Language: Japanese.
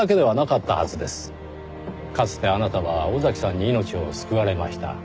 かつてあなたは尾崎さんに命を救われました。